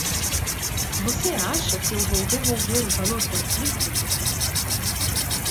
Você acha que eu vou devolver o valor da dívida?